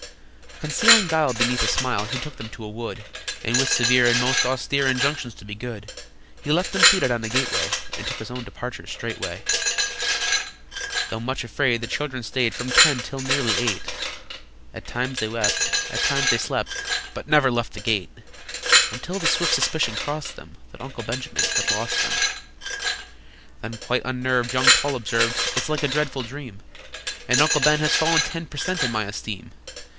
Concealing guile beneath a smile, He took them to a wood, And, with severe and most austere Injunctions to be good, He left them seated on a gateway, And took his own departure straightway. Though much afraid, the children stayed From ten till nearly eight; At times they wept, at times they slept, But never left the gate: Until the swift suspicion crossed them That Uncle Benjamin had lost them. Then, quite unnerved, young Paul observed: "It's like a dreadful dream, And Uncle Ben has fallen ten Per cent. in my esteem.